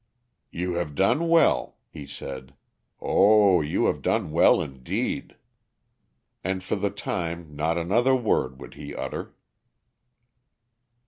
"You have done well," he said. "Oh, you have done well indeed." And for the time not another word would he utter.